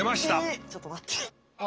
えちょっと待って。